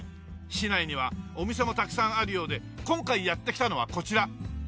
市内にはお店もたくさんあるようで今回やって来たのはこちら。